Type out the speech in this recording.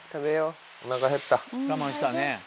我慢したね。